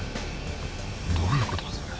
どういうことだそれ。